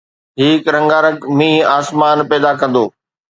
هي هڪ رنگارنگ مينهن آسمان پيدا ڪندو